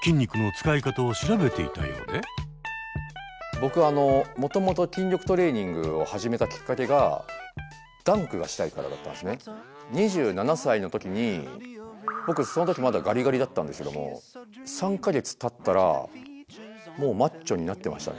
僕あのもともと筋力トレーニングを始めたきっかけが２７歳の時に僕その時まだガリガリだったんですけども３か月たったらもうマッチョになってましたね。